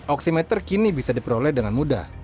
oksimeter kini bisa diperoleh dengan mudah